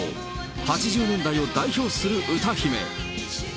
８０年代を代表する歌姫。